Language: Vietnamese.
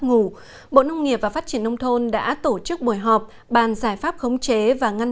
ngủ bộ nông nghiệp và phát triển nông thôn đã tổ chức buổi họp bàn giải pháp khống chế và ngăn